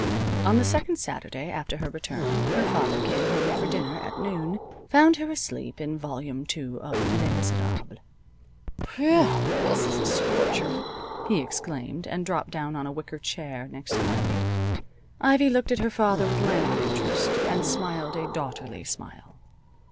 On the second Saturday after her return her father came home for dinner at noon, found her deep in Volume Two of "Les Miserables." "Whew! This is a scorcher!" he exclaimed, and dropped down on a wicker chair next to Ivy. Ivy looked at her father with languid interest, and smiled a daughterly smile.